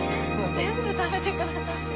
全部食べてくださって。